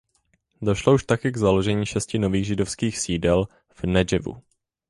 Došlo už taky k založení šesti nových židovských sídel v Negevu.